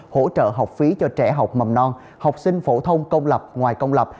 hỗ trợ học phí cho trẻ học mầm non học sinh phổ thông công lập ngoài công lập